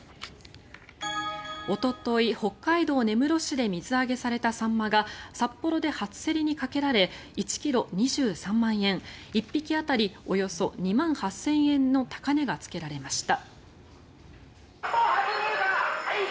おととい、北海道根室市で水揚げされたサンマが札幌で初競りにかけられ１ｋｇ２３万円１匹当たりおよそ２万８０００円の高値がつけられました。